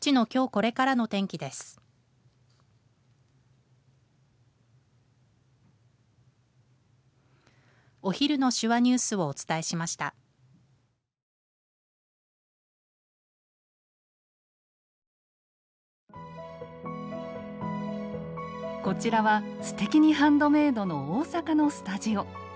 こちらは「すてきにハンドメイド」の大阪のスタジオ。